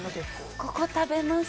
ここ、食べます。